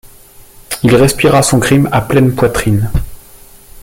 Il respira son crime à pleine poitrine.